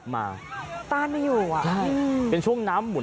เฮ้ยเฮ้ยเฮ้ย